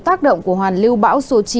tác động của hoàn lưu bão số chín